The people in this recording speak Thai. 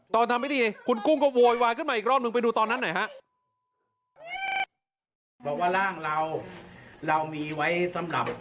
ตอนทำไม่ดีคุณกุ้งก็โววายขึ้นมาอีกรอบ